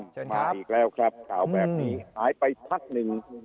เชิญครับมาอีกแล้วครับข่าวแบบนี้หายไปทักหนึ่ง